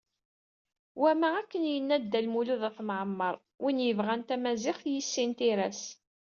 Wamma, akken yenna Dda Lmulud At Mɛemmer: "Win yebɣan tamaziɣt, yissin tira-s."